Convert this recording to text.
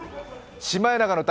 「シマエナガの歌」